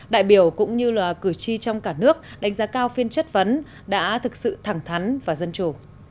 đại biểu cũng như là cử tri trong cả nước đánh giá cao phiên chất vấn đã thực sự thẳng thắn và dân chủ